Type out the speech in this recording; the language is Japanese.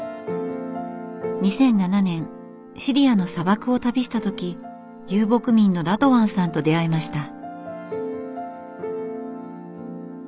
２００７年シリアの砂漠を旅した時遊牧民のラドワンさんと出会いました。